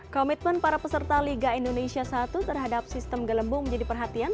komitmen para peserta liga indonesia i terhadap sistem gelembung menjadi perhatian